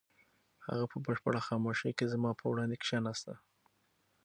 هغه په بشپړه خاموشۍ کې زما په وړاندې کښېناسته.